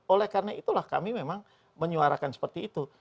oleh karena itulah kami memang menyuarakan seperti itu